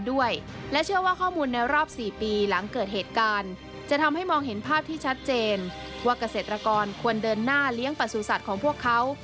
ว่ากเกษตรกรควรเดินหน้าเลี้ยงประสูจน์สัตว์ของพวกเขา